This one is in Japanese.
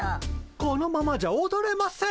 このままじゃおどれません。